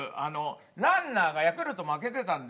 ランナーがヤクルト負けてたんで。